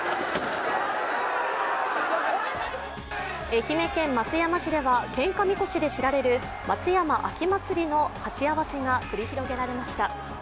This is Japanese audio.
愛媛県松山市ではけんかみこしで知られる松山秋祭りの鉢合わせが繰り広げられました。